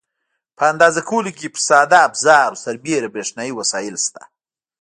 په اندازه کولو کې پر ساده افزارو سربېره برېښنایي وسایل شته.